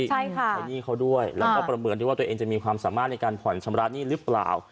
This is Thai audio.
ใช่ค่ะใช้หนี้เขาด้วยแล้วก็ประเมินด้วยว่าตัวเองจะมีความสามารถในการผ่อนชำระหนี้หรือเปล่า